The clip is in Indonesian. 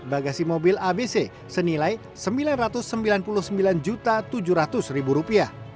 bagasi mobil abc senilai rp sembilan ratus sembilan puluh sembilan tujuh ratus